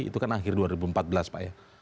itu kan akhir dua ribu empat belas pak ya